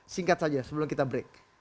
singkat saja sebelum kita break